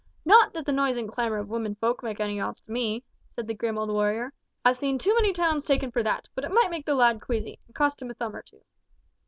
"Not that the noise and clamour of women folk makes any odds to me," said the grim old warrior, "I've seen too many towns taken for that, but it might make the lad queasy, and cost him a thumb or so."